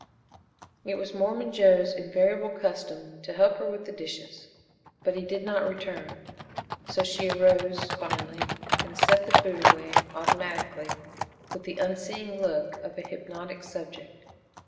It was Mormon Joe's invariable custom to help her with the dishes, but he did not return, so she arose, finally, and set the food away automatically, with the unseeing look of a hypnotic subject.